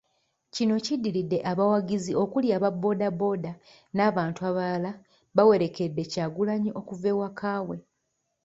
Kino kiddiridde abawagizi okuli aba boodabooda n'abantu abalala bawerekedde Kyagulanyi okuva ewaka we.